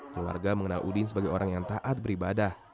keluarga mengenal udin sebagai orang yang taat beribadah